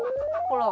ほら。